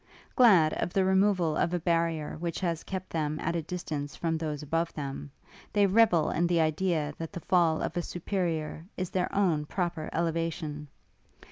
Glad of the removal of a barrier which has kept them at a distance from those above them, they revel in the idea that the fall of a superiour is their own proper elevation.